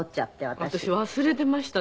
私忘れてました。